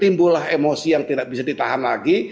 timbulah emosi yang tidak bisa ditahan lagi